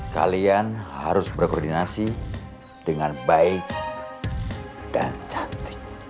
kalian harus berkoordinasi dengan baik dan cantik